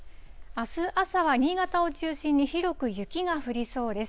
あす朝は新潟を中心に広く雪が降りそうです。